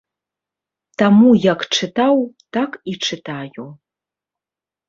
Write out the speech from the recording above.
Таму як чытаў, так і чытаю.